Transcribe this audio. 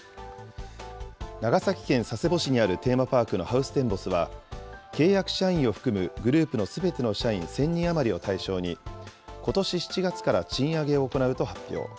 長崎県佐世保市にあるテーマパークのハウステンボスは、契約社員を含むグループのすべての社員１０００人余りを対象に、ことし７月から賃上げを行うと発表。